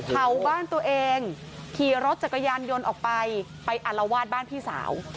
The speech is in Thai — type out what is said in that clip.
เผาบ้านตัวเองขี่รถจักรยานยนต์ออกไปไปอารวาสบ้านพี่สาว